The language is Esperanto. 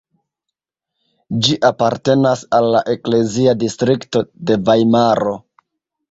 Ĝi apartenas al la eklezia distrikto de Vajmaro.